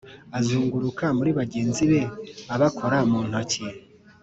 azunguruka muri bagenzi be abakora mu ntoki,